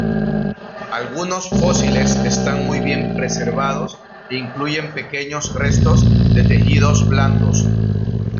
Algunos fósiles están muy bien preservados e incluyen pequeños restos de tejidos blandos.